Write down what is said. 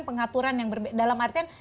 pengaturan yang dalam artian